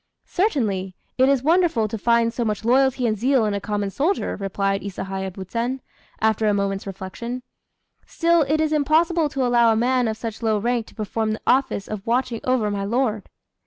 "Certainly, it is wonderful to find so much loyalty and zeal in a common soldier," replied Isahaya Buzen, after a moment's reflection; "still it is impossible to allow a man of such low rank to perform the office of watching over my lord."